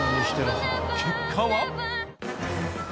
結果は。